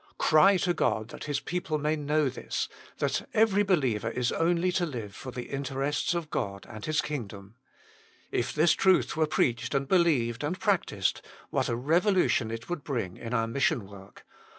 Cry to God that His people may know this, that every believer is only to live for the interests of God and His kingdom. If this truth were preached and believed and practised, what a revolution it would bring in our mission work.